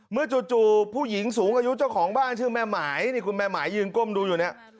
จู่ผู้หญิงสูงอายุเจ้าของบ้านชื่อแม่หมายนี่คุณแม่หมายยืนก้มดูอยู่เนี่ย